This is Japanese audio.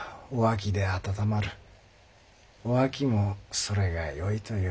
お秋もそれがよいと言う。